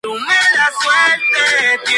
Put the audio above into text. Es el menor de cuatro hermanos.